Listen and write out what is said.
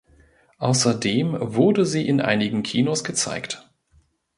Außerdem wurde sie in einigen Kinos gezeigt.